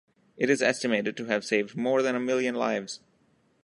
It is estimated to have saved more than a million lives.